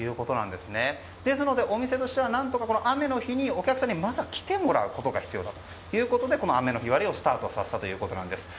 ですので、何とかお店としては、雨の日にお客さんに来てもらうことが必要だということで雨の日割をスタートさせたということです。